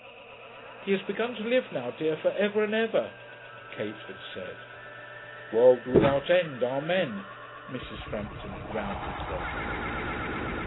'He has begun to live now, dear, for ever and ever,' Kate had said. 'World without end, amen,' Mrs. Frampton had rounded it off.